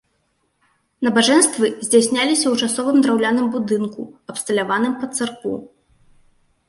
Набажэнствы здзяйсняліся ў часовым драўляным будынку, абсталяваным пад царкву.